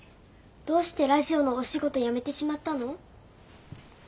どうしてラジオのお仕事辞めてしまったの？